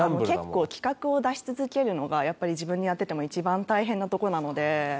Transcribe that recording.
結構企画を出し続けるのがやっぱり自分でやってても一番大変なとこなので。